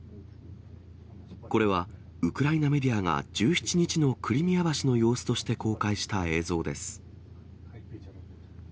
これはウクライナメディアが１７日のクリミア橋の様子として公開した映像です。